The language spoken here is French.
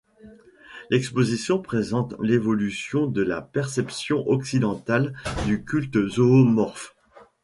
L'exposition présente l'évolution de la perception occidentale du culte zoomorphe.